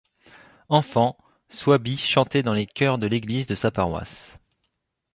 Enfant, Swaby chantait dans les chœurs de l'église de sa paroisse.